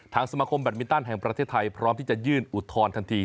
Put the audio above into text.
สมาคมแบตมินตันแห่งประเทศไทยพร้อมที่จะยื่นอุทธรณ์ทันที